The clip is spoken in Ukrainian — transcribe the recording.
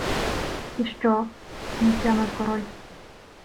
— І що? — не втямив король.